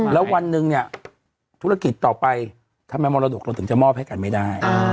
แล้ววันหนึ่งเนี่ยธุรกิจต่อไปทำไมมรดกเราถึงจะมอบให้กันไม่ได้